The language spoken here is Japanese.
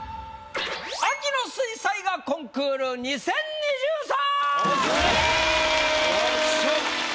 秋の水彩画コンクール２０２３！